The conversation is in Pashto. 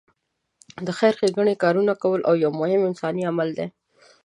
د خېر ښېګڼې کارونه کول یو مهم انساني عمل دی.